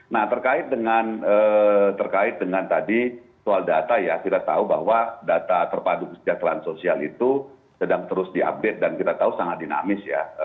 nah terkait dengan tadi soal data ya kita tahu bahwa data terpadu kesejahteraan sosial itu sedang terus diupdate dan kita tahu sangat dinamis ya